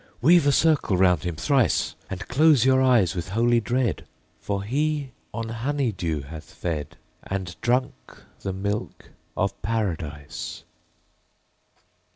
Weave a circle round him thrice, And close your eyes with holy dread, For he on honey dew hath fed, And drunk the milk of Paradise.